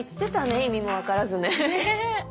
意味も分からずね。ねぇ。